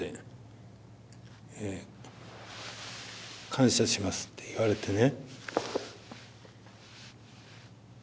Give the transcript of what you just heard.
感謝しますって言われてね。